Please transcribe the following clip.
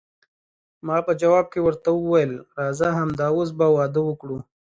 ما په جواب کې ورته وویل، راځه همد اوس به واده وکړو.